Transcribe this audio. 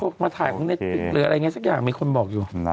เข้ามาถ่ายคนคนอ่ะและอะไรอย่างเงี้ยสักอย่างมีคนบอกอยู่